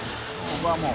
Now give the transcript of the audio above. ここはもう。